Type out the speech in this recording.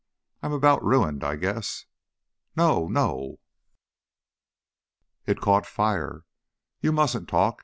I I'm about ruined, I guess." "No, no!" "It caught fire." "You mustn't talk.